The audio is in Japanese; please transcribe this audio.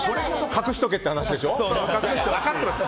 隠しとけって話でしょ。